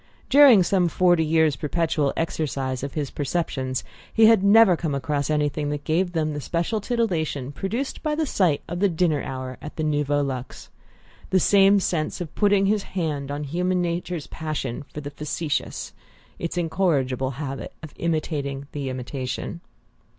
During some forty years' perpetual exercise of his perceptions he had never come across anything that gave them the special titillation produced by the sight of the dinner hour at the Nouveau Luxe: the same sense of putting his hand on human nature's passion for the factitious, its incorrigible habit of imitating the imitation.